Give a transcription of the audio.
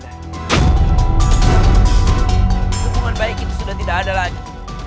hubungan baik itu sudah tidak ada lagi